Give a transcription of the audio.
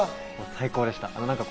最高でした。